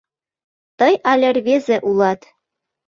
Тый але рвезе улат.